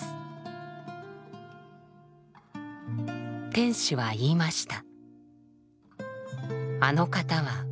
天使は言いました。